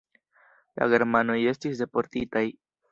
La germanoj estis deportitaj.